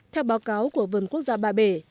theo báo cáo của vườn quốc gia ba bể